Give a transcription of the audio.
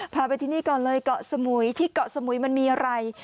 พาไปที่นี่ก่อนเลยเกาะสมุยที่เกาะสมุยมันมีอะไร